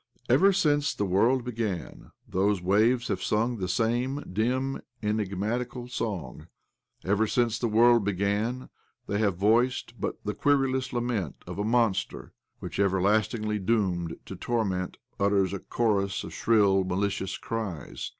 Ever since the world began, those waves have sung the same dim, enigmatical song. Ever since the world began, they have voiced but the querulous lament of a monster which, everlastingly doomed to torment, utters a chorus of shrill, malicious cries.